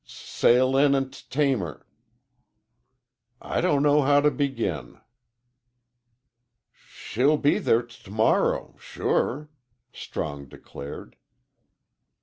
"S sail in an' t tame her." "I don't know how to begin." "She'll be there t to morrer sure," Strong declared.